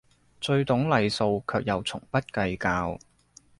最懂禮數卻又從不計較